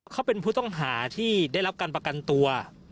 เขาเป็นผู้ต้องหาที่ได้รับการประกันตัว